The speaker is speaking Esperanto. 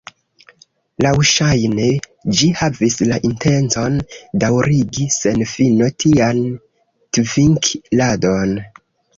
Laŭŝajne ĝi havis la intencon daŭrigi sen fino tian tvink'ladon.